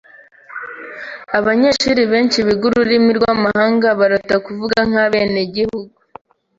Abanyeshuri benshi biga ururimi rwamahanga barota kuvuga nkabenegihugu.